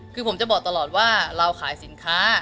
คือผมจะบอกตลอดว่าเราขายสินค้า